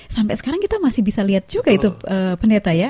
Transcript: sampai sekarang kita masih bisa lihat juga itu pendeta ya